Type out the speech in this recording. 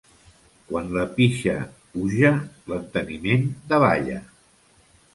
Quan la pixa puja, l'enteniment davalla.